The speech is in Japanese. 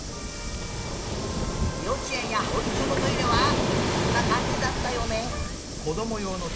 ようちえんやほいくしょのトイレはこんなかんじだったよね。